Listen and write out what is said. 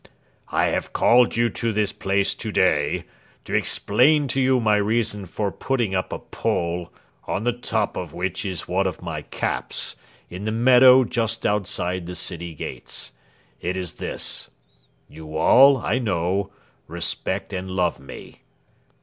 I have called you to this place to day to explain to you my reason for putting up a pole, on the top of which is one of my caps, in the meadow just outside the city gates. It is this: You all, I know, respect and love me."